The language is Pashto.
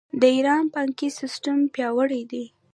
د ایران بانکي سیستم پیاوړی دی.